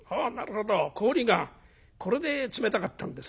これで冷たかったんですね。